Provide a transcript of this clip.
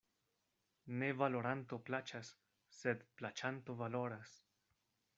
Ne valoranto plaĉas, sed plaĉanto valoras.